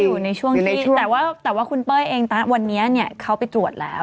ก็อยู่ในช่วงที่แต่ว่าคุณเป้ยเองวันนี้เขาไปตรวจแล้ว